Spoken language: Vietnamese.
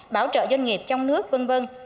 bảo trợ doanh nghiệp trong nước v v